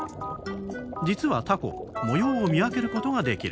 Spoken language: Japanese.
実はタコ模様を見分けることができる。